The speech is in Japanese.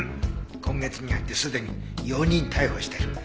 今月に入ってすでに４人逮捕してる。